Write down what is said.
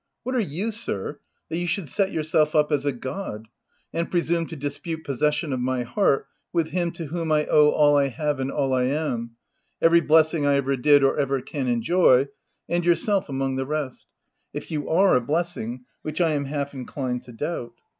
What OF WILDFELL HALL. J3 are you, sir, that you should set yourself up as a god, and presume to dispute possession of my heart with Him to whom I owe all I have and all I am, every blessing I ever did or ever can enjoy — and yourself among the rest — if you are a blessing, which I am half inclined to doubt."